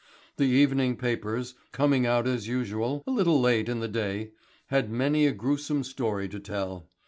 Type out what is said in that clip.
The evening papers, coming out as usual, a little late in the day, had many a gruesome story to tell.